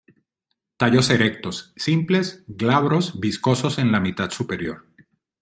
Tallos erectos, simples, glabros, viscosos en la mitad superior.